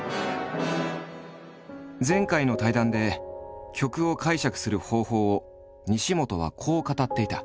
前回の対談で曲を解釈する方法を西本はこう語っていた。